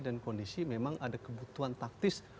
dan kondisi memang ada kebutuhan taktis